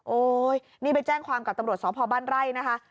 โอ้ยนี่ไปแจ้งความกับตำรวจสพบ้านไร่นะคะ